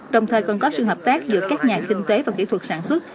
đồng thời còn có sự hợp tác giữa các nhà kinh tế và kỹ thuật